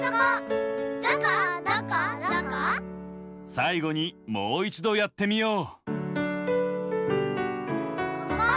さいごにもういちどやってみよう！